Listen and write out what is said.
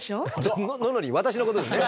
私のことですね？